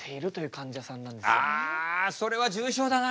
あそれは重症だな。